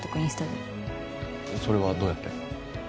それはどうやって？